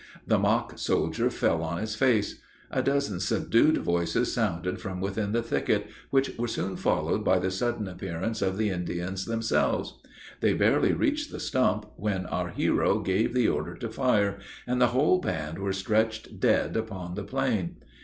The mock soldier fell on his face. A dozen subdued voices sounded from within the thicket, which were soon followed by the sudden appearance of the Indians themselves. They barely reached the stump, when our hero gave the order to fire, and the whole band were stretched dead upon the plain.